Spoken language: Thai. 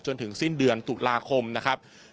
จนถึงสิ้นเดือนตุลาคมนะครับ